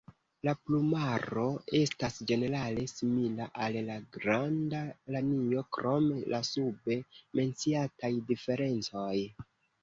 La plumaro estas ĝenerale simila al la Granda lanio krom la sube menciataj diferencoj.